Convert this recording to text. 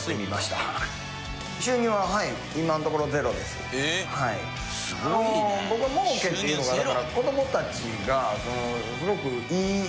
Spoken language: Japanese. すごいね。